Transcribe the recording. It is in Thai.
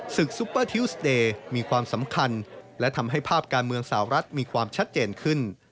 ซุปเปอร์ทิวสเดย์มีความสำคัญและทำให้ภาพการเมืองสาวรัฐมีความชัดเจนขึ้น